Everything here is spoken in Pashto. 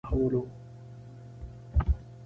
هرڅه چې و ډېر په زړه پورې ماحول و.